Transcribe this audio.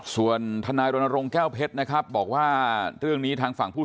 ส่วนทนายรณรงค์แก้วเพชรนะครับบอกว่าเรื่องนี้ทางฝั่งผู้